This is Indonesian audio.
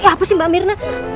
apa sih mbak mirna